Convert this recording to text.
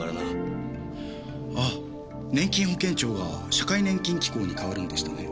ああ年金保険庁は社会年金機構に変わるんでしたね。